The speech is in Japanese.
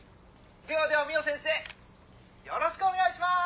ではでは海音先生よろしくお願いします！